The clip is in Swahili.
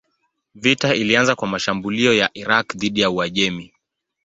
Vita ilianza kwa mashambulio ya Irak dhidi ya Uajemi.